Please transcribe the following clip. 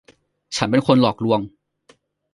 ฉันเป็นคนหลอกลวง